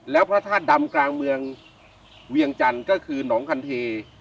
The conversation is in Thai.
แล้วพระธาตุดำกลางเมืองเวียงจันทร์ก็คือหนองคันเท